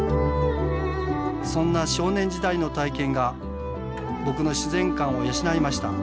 そんな少年時代の体験が僕の自然観を養いました。